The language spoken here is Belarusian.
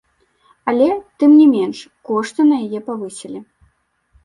Але, тым не менш, кошты на яе павысілі.